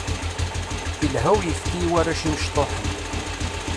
Ilha uyefki i warrac imecṭuḥen.